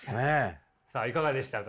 さあいかがでしたか？